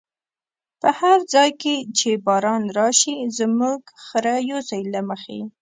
په هر ځای چی باران راشی، زموږ خره يوسی له مخی